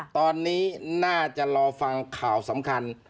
ตอนนี้น่าจะรอฟังข่าวสำคัญ